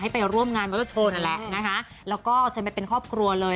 ให้ไปร่วมงานเวลาโชนนั่นแหละนะฮะแล้วก็จะไปเป็นครอบครัวเลย